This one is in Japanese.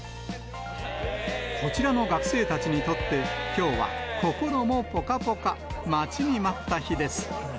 こちらの学生たちにとって、きょうは心もぽかぽか、待ちに待った日です。